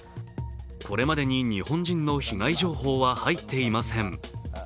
これまでに日本人の被害情報は入っていません